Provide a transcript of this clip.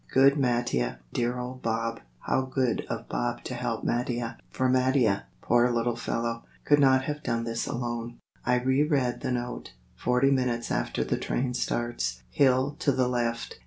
Good Mattia, dear old Bob! How good of Bob to help Mattia, for Mattia, poor little fellow, could not have done this alone. I re read the note. Forty minutes after the train starts.... Hill to the left....